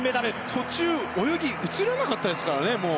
途中、泳ぎが映らなかったですからね、もう。